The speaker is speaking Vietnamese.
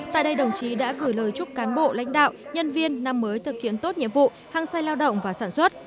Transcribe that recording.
tại đây đồng chí đã gửi lời chúc cán bộ lãnh đạo nhân viên năm mới thực hiện tốt nhiệm vụ hăng say lao động và sản xuất